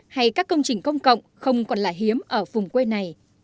hay các công trình công cộng không còn là hiếm ở vùng quê này